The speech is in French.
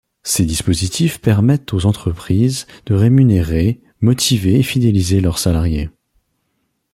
Ces dispositifs permettent aux entreprises de rémunérer, motiver et fidéliser leurs salariés.